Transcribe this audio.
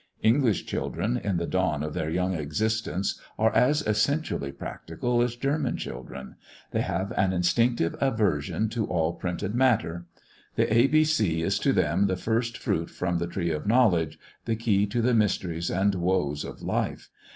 English children, in the dawn of their young existence, are as essentially practical as German children. They have an instinctive aversion to all printed matter. The A, B, C, is to them the first fruit from the tree of knowledge, the key to the mysteries and woes of life.